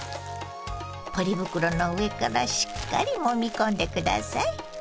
ポリ袋の上からしっかりもみ込んで下さい。